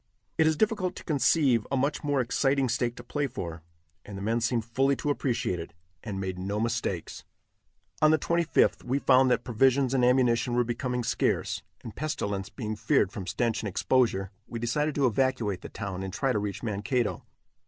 It is difficult to conceive a much more exciting stake to play for, and the men seemed fully to appreciate it, and made no mistakes. On the 25th we found that provisions and ammunition were becoming scarce, and pestilence being feared from stench and exposure, we decided to evacuate the town and try to reach Mankato.